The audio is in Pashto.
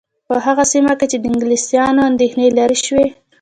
په هغه سیمه کې د انګلیسیانو اندېښنې لیرې شوې.